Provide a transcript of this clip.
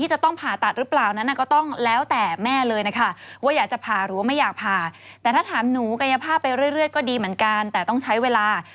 หนูกายภาพไปเรื่อยก็ดีเหมือนกันแต่ต้องใช้เวลา